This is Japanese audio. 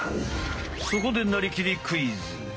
そこでなりきりクイズ！